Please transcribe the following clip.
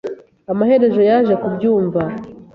Amaherezo yaje kubyumva.